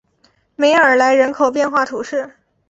梅尔莱人口变化图示